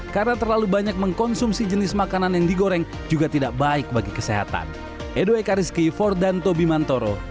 karena terlalu banyak mengkonsumsi jenis makanan yang digoreng juga tidak baik bagi kesehatan